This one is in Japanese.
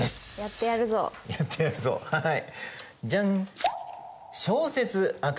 はい。